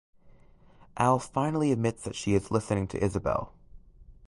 Al finally admits that she is listening to Isabelle.